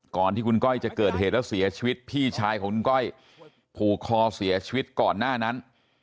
ก่อนที่คุณก้อยจะเกิดเหตุแล้วเสียชีวิตพี่ชายของคุณก้อยผูกคอเสียชีวิตก่อนหน้านั้น